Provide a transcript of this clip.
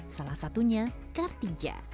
salah satunya kartija